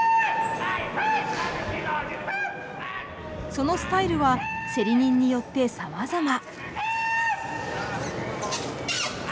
そのスタイルは競り人によってさまざま。